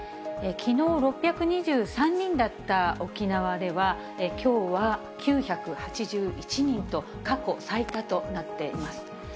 きのう、６２３人だった沖縄では、きょうは９８１人と、過去最多となっています。